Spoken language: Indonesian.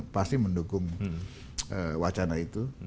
pasti mendukung wacana itu